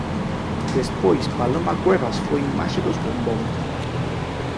Despois Paloma Cuevas foi imaxe dos bombóns.